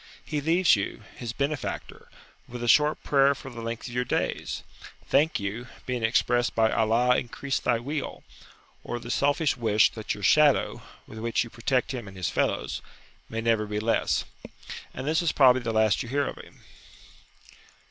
He leaves you, his benefactor, with a short prayer for the length of your days. "Thank you," being expressed by "Allah increase thy weal!" or the selfish wish that your shadow (with which you protect him and his fellows) may never be less. And this is probably the last you hear of him.